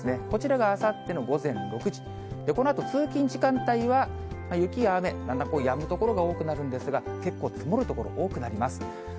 こちらがあさっての午前６時、このあと、通勤時間帯は雪や雨、だんだんやむ所が多くなるんですが、結構積もる所、多くなります。